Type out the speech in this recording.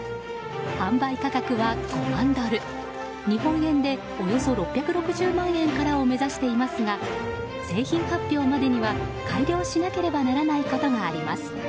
販売価格は５万ドル日本円でおよそ６６０万円からを目指していますが製品発表までには改良しなければならないことがあります。